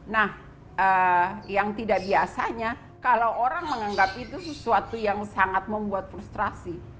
nah yang tidak biasanya kalau orang menganggap itu sesuatu yang sangat membuat frustrasi